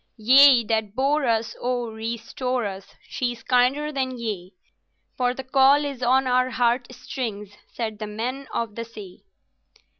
"'Ye that bore us, O restore us! She is kinder than ye; For the call is on our heart strings!' Said The Men of the Sea."